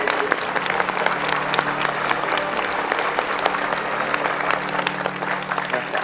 ขอออกข่าวสิขอบคุณทุกคน